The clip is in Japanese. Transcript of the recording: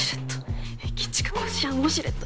駅近こしあんウォシュレット。